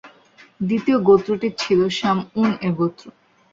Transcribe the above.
দ্বিতীয় গোত্রটি ছিল শামউন-এর গোত্র।